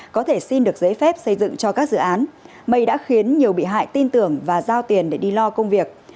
có thể xin được giấy phép xây dựng cho các dự án mây đã khiến nhiều bị hại tin tưởng và giao tiền để đi lo công việc